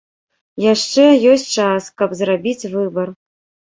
Яшчэ ёсць час, каб зрабіць выбар.